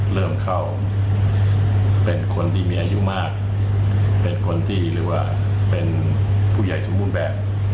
เริ่มเข้าเป็นคนที่มีอายุมากเป็นคนที่หรือว่าเป็นผู้ใหญ่สมบูรณ์แบบ